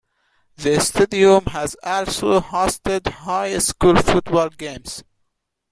The stadium has also hosted high school football games.